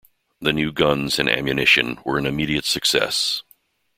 The new guns and ammunition were an immediate success.